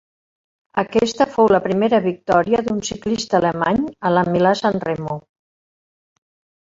Aquesta fou la primera victòria d'un ciclista alemany a la Milà-Sanremo.